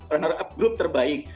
runner up group terbaik